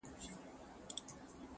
• انسان وجدان سره مخ کيږي تل,